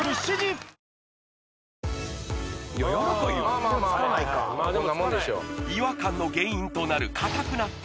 まあでもつかない違和感の原因となる硬くなった